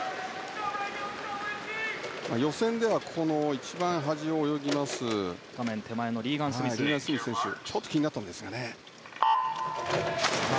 予選では、一番端を泳ぎますリーガン・スミス選手がちょっと気になったんですがね。